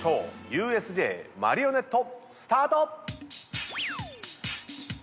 ＵＳＪマリオネットスタート！